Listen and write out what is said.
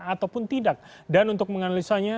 ataupun tidak dan untuk menganalisanya